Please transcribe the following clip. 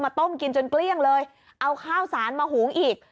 ต้มกินจนเกลี้ยงเลยเอาข้าวสารมาหุงอีก